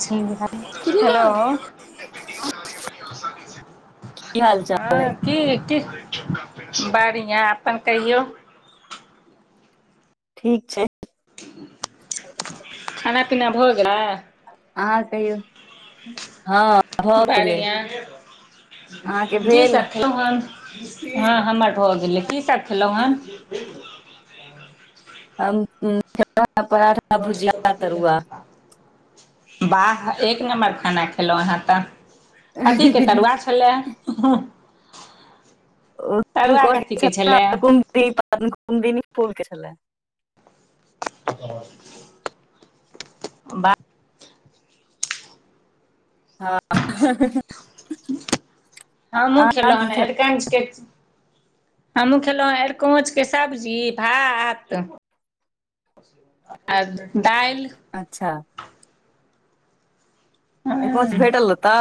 हँ [inaudible] की हाल चाल हँ अइ की कि बढ़िआ अपन कहियौ ठीक छै खाना पीना भए गैलेए आहाँ कहियो हँ भऽ गेलै बढ़िआ अहाँके जी भेल सखि। [inaudible] हँ हमर भऽ गेलैए की सब खे लो ह हम्म आ पराठा [inaudible] [inaudible] तरुआ वाह एक नम्बर खाना खेलहु आंहा तऽ कथि के तरुआ छला तरुआ कथि के छला [inaudible] फूलके छला [inaudible] वाह हँ हाहा हमहूँ खेलो हन खेल अरिकंच के हमहुँ खेलहुँ ह अरकोच के सब्जी भात आ दाइल अच्छा अरिकोच भैटल ओतए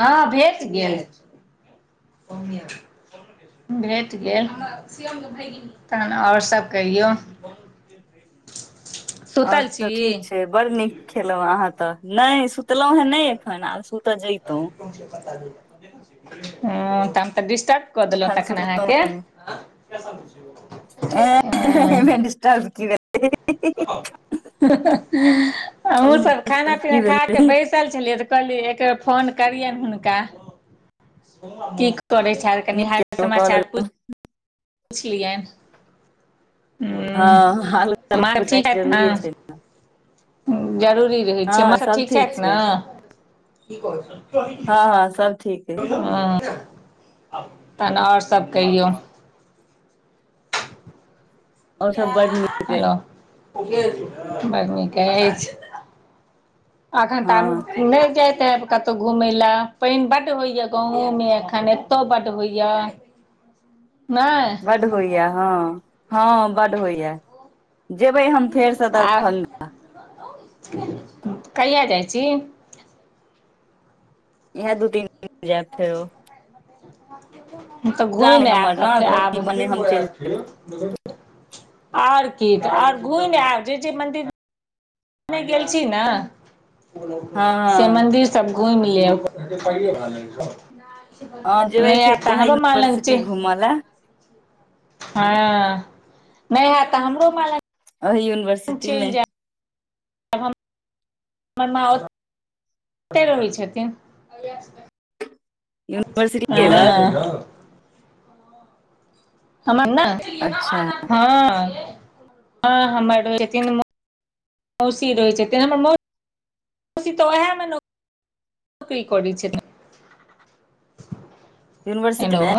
हँ भेट गेल। [inaudible] [inaudible] भेट गेल तहन ओर सभ कहियौ। और सुतल छी सभ ठीक छै बड़ नीक खेलहु अहाँ तऽ नहि सुतलहुं हे नहि। आब सुत आ जैइतो हैं तऽ डिस्टर्ब। कऽ देलहुँ एखन तखन सुतलहुँ अहाँकेँ आ हा दिस्टूर्ब कि हूँ, हमहु एहिमे सभ खाना डिस्टर्ब की पीना खा क भेलै बैस। पतल छलिय तऽ कहलिय एक बेर फोन करिय हुनका कि कर। कनि नीक हार केलहुँ कऽ समाचार लेलहुँ पुछ लियनि ह माँ सब हालालइ ठीक छथि जरूरी छै ने। जरूरी रहै छै मौछ ठीक छथि न कि कह। हँ हँ सब ठीक अइ ह तहन आओर सभ कहियौ। और सब बड नीक अइ हेलो, बड़ नीक अछि। अखन तऽ हँ अब नहि जायतै। कतहु घूमेय ला पानि बड़ होइया गावो मे एखन एतौ बड़ होइया। नहि बड़ होइया हँ बड़ होइया जेबे हम फेर से। आ कहिया जाई छी। इहा दू तीन दिन जायबथि। तऽ एग्जाम घुम अइ हमर ने तऽ आइब ओहि बने हम चलि जेबै आर कि घुमि आयब जे मन्दिर। गेल छी ने हँ से हँ मन्दिर। सभ घुम लेब हँ जेबै नहि फेर हैएत तऽ ओहे हमरो माँ लग छै। यूनिवर्सिटी घूमऽ लए हँ नहि हेइत तऽ हमरो माल। यूनिवर्सिटी मे। आब हम हमर माँ ओर। अते रहै छथिन। यूनिवर्सिटी लंग आ हमर ने अच्छा हँ हँ हमर। मौसी रहै छथिन हमर मौसी तऽ उएहमे ने। रिकर्डिग छै। यूनिवर्सट हेलो मे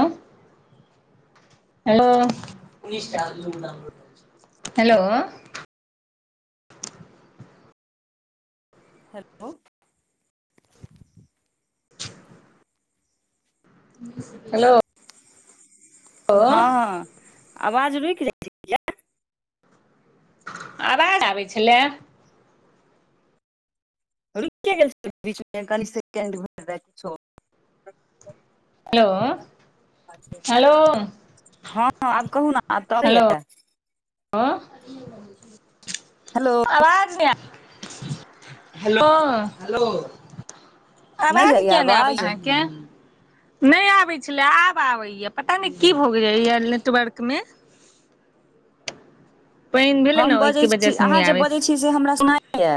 हेलो हेलो। हेलो ह आवाज नै जाय छै। आबज नहि आबै छलै। र [unintelligible] गेल बीच। हेलो, हेलो ह आब कहू ने अब तऽ आबे य आ हेलो आवाज नहि हेलो हेलो। नहि आवाज जाइये किया नहि आबै य आवाज हाँके। नहि आबैत छलै आब आबैया पता नहि की भऽ जइएा नेटवर्क मे। पानि भेलै ने हम बजै ओहिके छी वजह से अहाँ नहि जे आबै बजे छै छी से हमरा सुनाय हे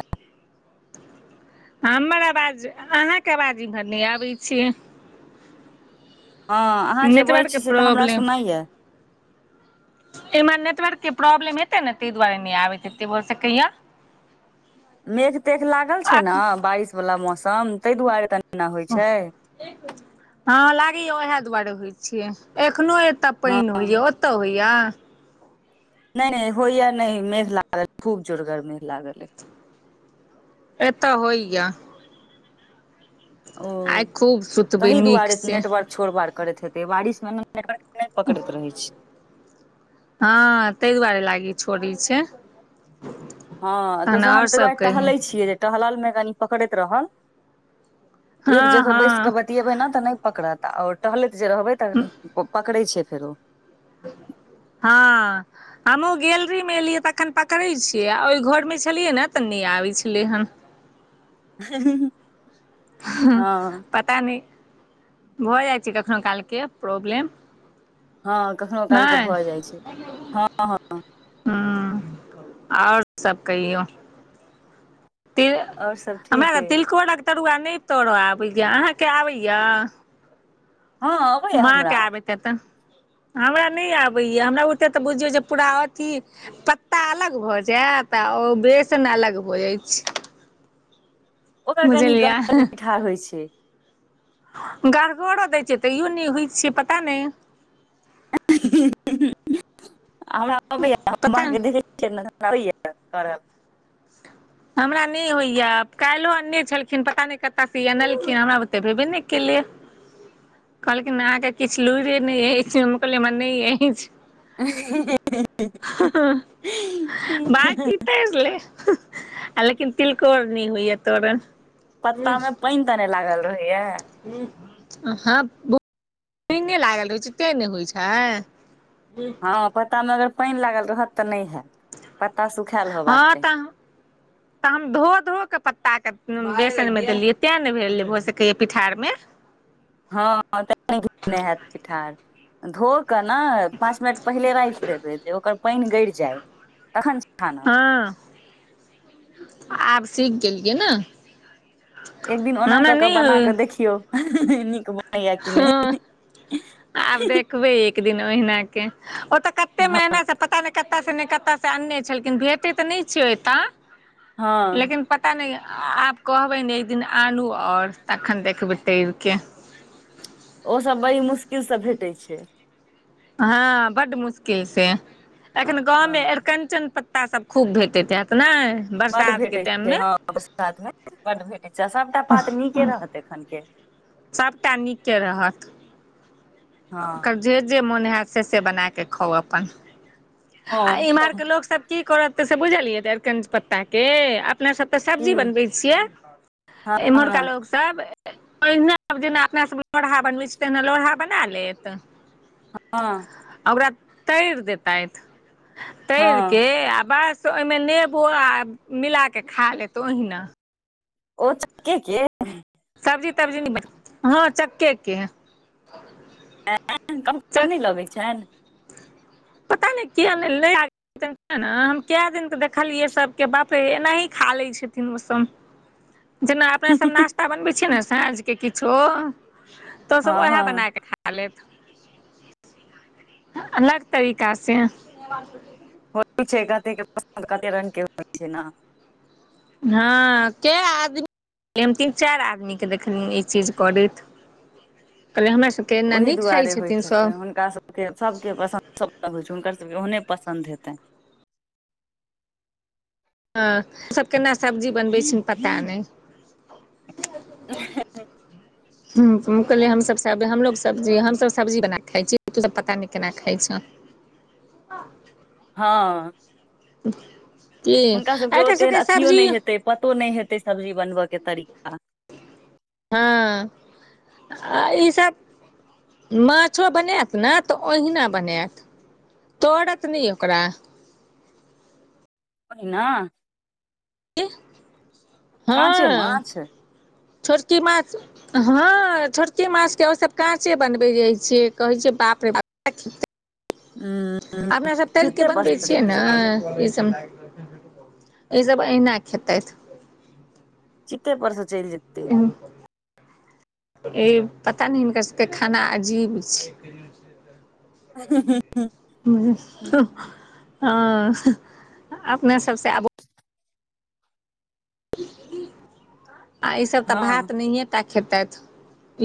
हमर आवाज अहाँके आवाज इम्हर नहि आबै छै हँ अहाँ जे बजे छी नेटवर्कके से तऽ हमरा प्रॉब्लम सुनाइया एमे नेटवर्क के प्रॉब्लम हतै ने त दुआारे ने हेते भ सेकहिय। मेघ तेख लागल छै आख ने बारिश वालला मौसम ताहि दुआरे तनी न होइ छै। हँ लागैय ओएह दुआरे होइ छै। एखनोहु एतय हँ पानि होइए ओतय होइए नय नय होइया नहि मेघ लागल ये खूब जोरगर मेघ लागल अय ए तऽ होया ओ आइ खूब सुतबै तहि नीक दुआरे से नेटवर्क छोड़ बाड़ करैत हेते बारिश मे नेटवर्क नय पकड़ैत रहे छै हँ ताहि दुआरे लागी छोड़ छै हँ तहन दोसर आओर हम तय सब दुवारे कही टहलै छियै जे टहलल मे कनि पकड़ैत रहल एक हँ जगह बैस हँ कऽ ब बतियेबै ने तऽ नहि पकड़त आओर टहलैत जे रहबै तऽ पकड़े छै फेरो हँ हमहूँ गैलरी मे एलियै तऽखन पकड़ै छियै आ ओहि घर मे छलियै ने तऽ नहि आबै छलै हन [unintelligible] हा हँ पता नय भऽ जाइ छै कखनहु काल के प्रॉब्लम हँ कखनो काल के नहि भऽ जाइ छै- हँ हँ ह आओर सब कहियौ तिल आओर सब ठीक हमराऽ अइ तिलकोरक तरुआ नहि तोरय आबैए अहाँके आबैए हँ अबैया माँ के हमरा आबेत हेटे हमरा नय आबैय हमरा ओते तऽ बुझियौ जे पूरा अथी पत्ता अलग भऽ जायत आ ओ बेसन अलग भऽ जाइ छै ओकर कनि बुझलियै गरगर पीठार होइ छै गड़घरो दै छैै तैयो नहि होइत छैै पता नहि [unintelligible] पता [unintelligible] हमरा नहि होइया काल्हिो अनने छलखिन पता नहि कतऽ सँ ई अनलखिन हमरा बुते भेबे नहि केलै कहलखिन अहाँके किछु लुरे नहि अछि कहलिय हमरा नहि अछि [unintelligible] [unintelligible] बाकि तैर ले आ लेकिन तिलकोर नय होइए तरल पत्ता मे पानि तरे लागल रहैया [unintelligible] पेने लागल रहै छै ते ने होइ छै हँ पता मे अगर पानि लागल रहत तऽ नहि हयैत पता सुखा हँ तऽ तऽ हम धो धो के पत्ता के बेसन मे देलियै तें ने भेल भऽ सकया पिठार मे हँ [unintelligible] पिठार धो कऽ न पाँच मिनट पहिले राइख देबै जे ओकर पाइन गड़ जाय [inaudible] तखन छानव ह [unintelligible] आब सीख गेलियै न एक दिन ओना कऽ कऽ बना होय कऽ देखियौ [unintelligible] नीक बनै यऽ की नै हँ आब देखबै एक दिन ओहिना केँ ओ तऽ कत हँ सँ पता नै कत से नै कत अनने छलखिन भेटै तऽ नै छै ओ एत [inaudible] हँ लेकिन पता नै आब कहबैन एक दिन आनू ओर तखन देखबै तैर केँ ओसब बड़ी मुश्किल स भेटैत छै हँ बड मुश्किल से एखन गाँवं हँ में अरिकंचन पत्ता सभ खूब भेटैत हत नै बड भेटैत छै हँ बसात में बड भेटैत छै सभटा पात नीके रहत एखन केँ सभटा नीकेँ रहत ओकर हँ जे जे मोन होत से से बना क खाउ अपन [inaudible] आ हँ इम्हरके लोक सब की करत से बुझलियै आइरकंचन पत्ता केँ अपना सब तऽ की सब्जी बनबै छियै हँ [inaudible] हँ इमहरका लोग सभ [inaudible] ओहिना जेना अपना सभ लोड़हा बनबै छै तहिना लोड़हा बना लेत हँ आ ओकरा तैर देतैथ [inaudible] तैर हँ केँ आ बस से ओहिमे नेबो आ मिला केँ खा लेत ओहिना ओ चकेँ केँ सब्जी तब्जी नै हँ चक्के केँ कम कम नै लगैत छैन पता नै किया नै हैतेन तऽ न हम कए दिन तऽ देखलियै सभ के बाप रे एनाही खा लैत छथिन ओ सम [unintelligible] जेना अपना सब नास्ता बनबे छीय न साँझ केँ किछो तो हँ सब ओएहे हँ बना केँ खा खा लेत [inaudible] अलग तरीका से हो छै कते के पसंद कते रंग के होय छै न हँ कए आदमी [inaudible] हम तीन चाइर आदमी केँ देखनिय ई चीज करैत कहलिय हमरा सब केँ एना नै खाइ छथिन सब सभके पसन्द सब रंग होय छै हुनकर सभ केँ ओहने पसन्द हेतन हँ सभ केना सब्जी बनबै छी पता नै [unintelligible] हू त कहलियै हमसभ सब हमलोग सब्जी हमसभ सब्जी बन कऽ खाइ छियै तू सब पता नै केना खाइ छ [unintelligible] हँ [inaudible] कि हुनका सबके एकर ओते सब केँ अथियो सब्जी नहि यौ हेतै पतो नै हेतै सब्जी बनबय कऽ तरीका हँ [inaudible] आ ई सभ माछो बनैयत ने तऽ ओहिना बनायत तरत नै ओकरा ओहिना इह [inaudible] काँचे हँ माछ [inaudible] छोटकी माछ ह छोटके माछके ओसभ काँचे बनबै जाय छियै कहैत छियै बाप रे बाप हा अपना सभ तैर के बनबै छियै ने ई सभ ई सभ ऐहना खेतैथ चिते पर से चैल जेतै। ई पता नहि हिनकर सभके खाना अजीब छैय ह ह हू है अपने सभसँ आब आ इसभ तऽ हँ भात नहि टा खेतैथ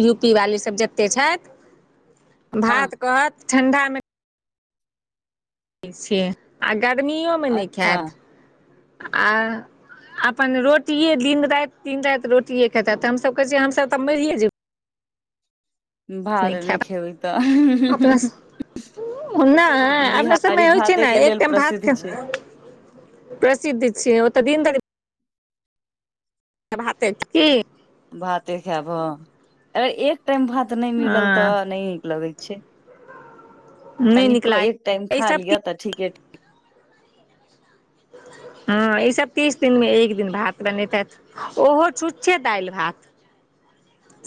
यू पी वालीसभ जतेक छैथ। हँ भात कहत ठंडा मे छीय आ गर्मिओ मे नहि अच्छा खैत आ अपन रोटिये दिन राति दिन राति रोटिये खेताे ते हमस कहे छे हमस तऽ मरिये जेबे। भार नै खायब खेबै तऽ अह नै अपना सभमे होय छैय भाते नै के एक लेल टाइम भात प्रसिद्ध के। छै प्रसिद्धि छियै ओतऽ दिन तऽ भाते कि भाते खायबह अगर एक टाइम भात नहि मिलऽ लऽ हँ तऽ नहि नीक लगैत छै। नहि नीक कनिको लाग एक टाइम ई खा सब लिआ तऽ ठीके [unintelligible] ह ईसभ तीस दिनमे एक दिन भात बनैतथ ओहो छुच्छे दालि भात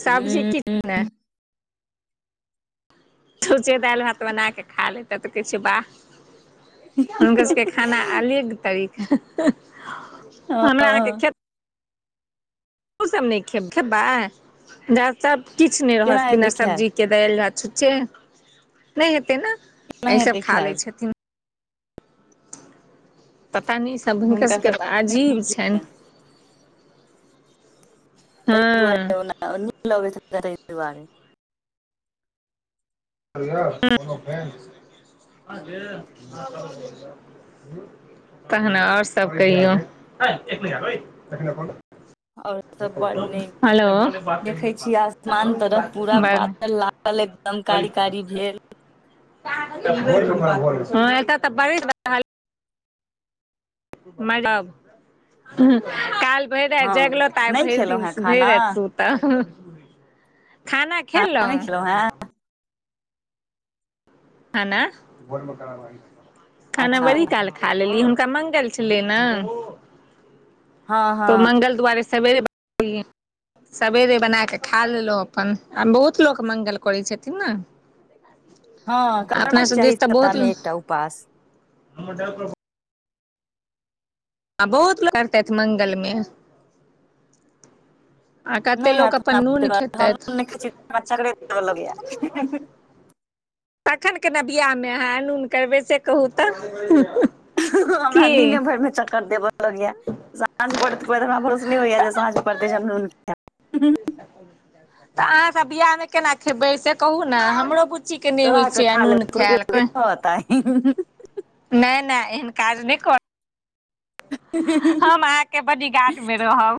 सब्जी किछ। हूँ छूचे दाइल भात बना के खा लेतै तऽ के छैय बाह हुनकर सऽ के खाना अलेग तरीका ह हमरा आ के हँ खेत ओ सभ नइ खेब-खेबै, जाअ सभ किछ नइ केना रहत बिना हेतै खायल सब्ज़ी। के दाय लऽ छुचे, नै हेते नऽ, केना आइ सभ हेतै खा खायल लेछेथिन। पता नै शब्द हिनका हुनकर सभके सब तऽ अजीब छैन। हूँ न लगै दुआ [unintelligible] तहने आओर सभ कहियौ और सभ बड़ नीक हेलो देखे छी देखै छी आसमान तरफ पूरा बदल लगल छै। ल एकदम कारी कारी भेल हँ एत तऽ बड़ मादम काल भैर रात हँ जगलो तऽ आइ नहि भैइर खेलहुँ दिन हेँ भैर खाना रात सुतब हू खाना खेलऔ। नहि खेलहुँ हेँ खाना अच्छा बड़ी काल खा लेलिये हुनका मंगल छेले नऽ हँ हँ तऽ मंगल दुवारे सवेरे बए सबेरे बना के खा लेआ अपन आब बहुत लोक मंगल करे छेथिन नऽ। हँ अपना करबाक सभ चाही दिश तऽ बहुत सप्ताह मे एकटा उपास आब बहु करते मंगल मे आ कते नहि लोक हैत अपन हम नून खेतथि चे। तखन केना बिया मे आहाँ अनु करबे से कहू तऽ हूँ हूँ अहू ह हमरा निने भैर मे चक्कर देब साँझ पड़त हमरा भरोसनी होइया जे साँझ पड़ते जे नू तऽ अहाँ सभ बिया मे केना खेबै से कहू नऽ हमरो बु ची के नइ होई छैय अनून खैल कऽ ह। नैएहन काज नहि कर हम अहाँ के बडीगाड मे रहब।